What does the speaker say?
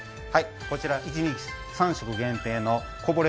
こちら、一日３食限定のこぼれ